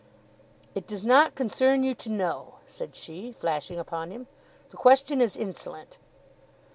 "It does not concern you to know," said she, flashing upon him. "The question is insolent."